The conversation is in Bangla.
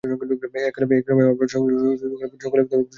এককালে এই গ্রামে আমরা সকলের চেয়ে বর্ধিষ্ণু ছিলাম।